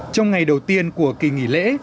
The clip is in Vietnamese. trong ngày đầu tiên của kỳ nghỉ lễ